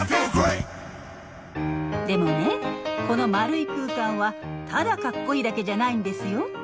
でもねこの丸い空間はただカッコいいだけじゃないんですよ。